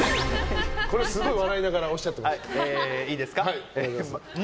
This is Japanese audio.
これすごい笑いながらおっしゃっていました。